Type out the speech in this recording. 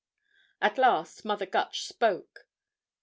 At last Mother Gutch spoke.